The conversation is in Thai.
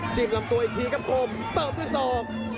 ลำตัวอีกทีครับคมเติมด้วยศอก